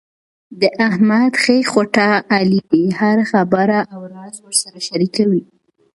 د احمد ښۍ خوټه علي دی، هره خبره او راز ورسره شریکوي.